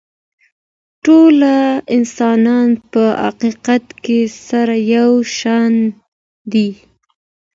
ټول انسانان په حقیقت کي سره یو شان دي.